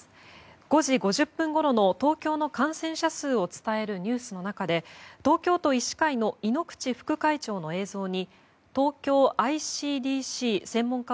５時５０分ごろの東京の感染者数を伝えるニュースの中で東京都医師会の猪口副会長の映像に東京ｉＣＤＣ専門家